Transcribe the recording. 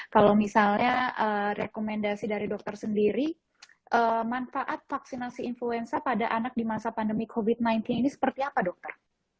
kalau misalnya rekomendasi dari dokter sendiri manfaat vaksinasi influenza pada anak di masa pandemi covid sembilan belas ini seperti apa dokter